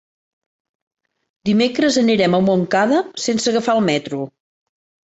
Dimecres anirem a Montcada sense agafar el metro.